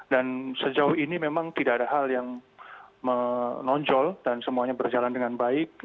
dan sejauh ini memang tidak ada hal yang menonjol dan semuanya berjalan dengan baik